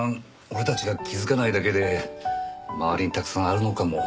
俺たちが気づかないだけで周りにたくさんあるのかも。